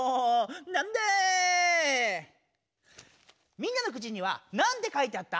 みんなのくじにはなんて書いてあった？